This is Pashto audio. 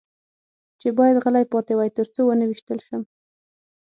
چې باید غلی پاتې وای، تر څو و نه وېشتل شم.